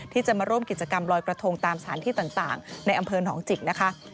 ที่จะมาร่วมกิจกรรมลอยกระทงตามสถานที่ต่างในอำเภอหนองจิกนะคะ